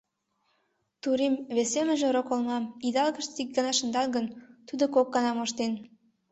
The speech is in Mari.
Турим, вес семынже — роколмам, идалыклан ик гана шындат гын, тудо кок гана моштен.